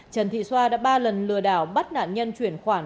trần thị xoa đã ba lần lừa đảo bắt nạn nhân chuyển khoản